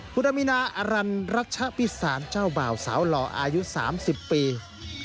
คุณอามินาอรันรัชพิสารเจ้าบ่าวสาวหล่ออายุ๓๐ปี